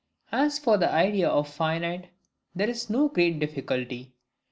As for the idea of finite, there is no great difficulty.